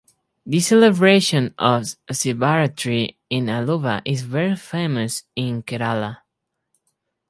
The celebration of Sivarathri in Aluva is very famous in Kerala.